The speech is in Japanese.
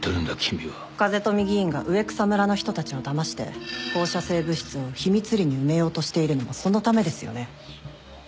風富議員が上草村の人たちをだまして放射性物質を秘密裏に埋めようとしているのもそのためですよね？